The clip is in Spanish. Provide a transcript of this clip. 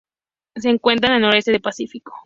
Se encuentran al noroeste del Pacífico.